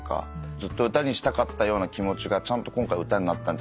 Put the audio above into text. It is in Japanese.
ずっと歌にしたかったような気持ちがちゃんと今回歌になったんじゃないかなと。